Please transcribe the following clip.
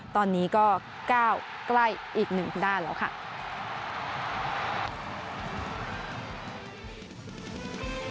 ตอนนี้ก็ก้าวใกล้อีกหนึ่งด้านแล้วค่ะ